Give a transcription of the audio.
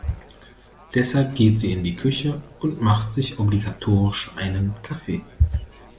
Deshalb geht sie in die Küche und macht sich obligatorisch einen Kaffee.